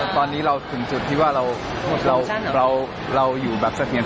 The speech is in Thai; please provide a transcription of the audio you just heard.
ตอนนี้เราถึงสุดอยู่ในตัวเหมียกอยู่แบบสันเตียง